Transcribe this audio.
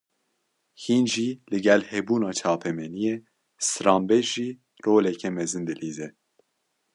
Hîn jî, li gel hebûna çapemeniyê, stranbêj jî roleke mezin dilîze